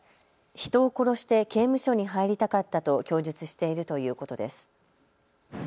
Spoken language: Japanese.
人を殺して刑務所に入りたかったと供述しているということです。